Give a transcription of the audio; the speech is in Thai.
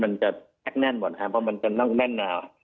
มันก็ให้แน่นหมดค่ะเพราะว่ามันก็นั่งแน่นมา